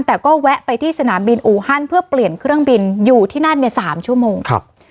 แต่ก็แวะไปที่สนามบินอูฮันเพื่อเปลี่ยนเครื่องบินอยู่ที่นั่นเนี่ย๓ชั่วโมงครับ